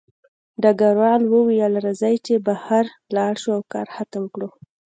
ډګروال وویل راځئ چې بهر لاړ شو او کار ختم کړو